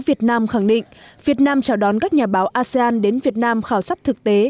việt nam khẳng định việt nam chào đón các nhà báo asean đến việt nam khảo sát thực tế